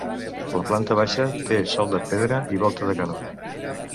La planta baixa té sòl de pedra i volta de canó.